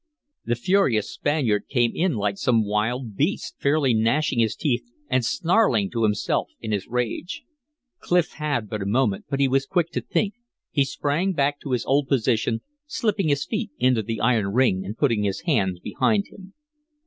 The furious Spaniard came in like some wild beast, fairly gnashing his teeth and snarling to himself in his rage. Clif had but a moment, but he was quick to think; he sprang back to his old position, slipping his feet into the iron ring and putting his hands behind him.